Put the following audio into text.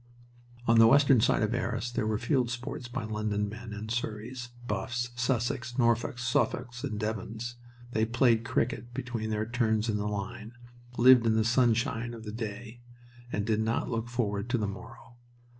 On the western side of Arras there were field sports by London men, and Surreys, Buffs, Sussex, Norfolks, Suffolks, and Devons. They played cricket between their turns in the line, lived in the sunshine of the day, and did not look forward to the morrow.